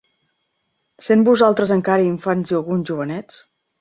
Essent vosaltres encara infants i alguns jovenets;